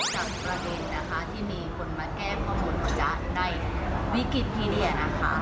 จากประเด็นที่มีคนมาแก้ขโมทหนูจ๊ะในวิกิทีเพดียนะคะ